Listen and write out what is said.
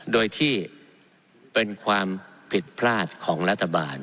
โดยที่เป็นความผิดพลาดของรัฐบาล